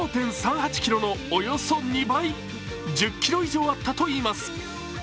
５．３８ｋｇのおよそ２倍、１０ｋｇ以上あったといいます。